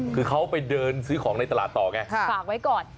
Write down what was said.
คือเขาไปเดินซื้อของในตลาดต่อไง